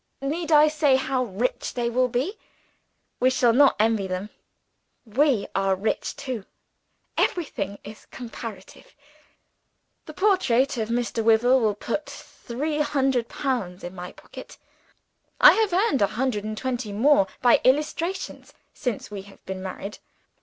Need I say how rich they will be? We shall not envy them we are rich too. Everything is comparative. The portrait of Mr. Wyvil will put three hundred pounds in my pocket. I have earned a hundred and twenty more by illustrations, since we have been married.